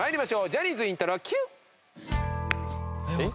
ジャニーズイントロＱ！